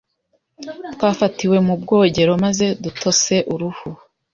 Twafatiwe mu bwogero maze dutose uruhu.